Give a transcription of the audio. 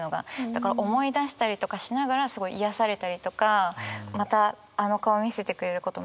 だから思い出したりとかしながらすごい癒やされたりとかまたあの顔を見せてくれること